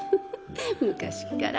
昔っから。